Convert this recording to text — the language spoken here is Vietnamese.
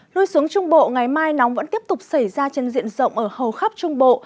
lui xuống trung bộ ngày mai nóng vẫn tiếp tục xảy ra trên diện rộng ở hầu khắp trung bộ